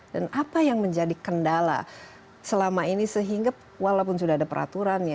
dan apa yang menjadi kendala selama ini sehingga walaupun sudah ada peraturan